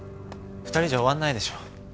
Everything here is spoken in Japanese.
２人じゃ終わんないでしょ。